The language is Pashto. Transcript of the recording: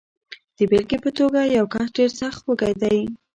د بېلګې په توګه، یو کس ډېر سخت وږی دی.